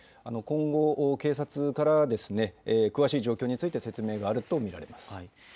今後、警察から詳しい状況について説明があると見られます。